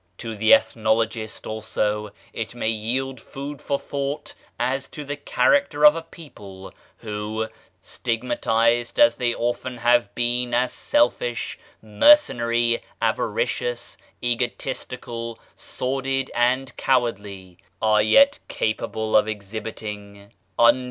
To the ethnologist also it may yield food for thought as to the character of a people, who, stigmatized as they often have been as selfish, mercenary, avaricious, egotistical, sordid, and cowardly, are yet capable of exhibiting under the 1 See p.